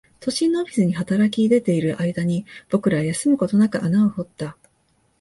都心のオフィスに働き出ている間に、僕らは休むことなく穴を掘った